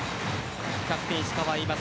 キャプテン石川は言います。